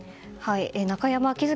中山喜寿